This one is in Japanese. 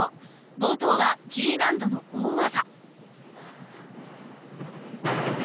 冒頭はＧ難度の大技。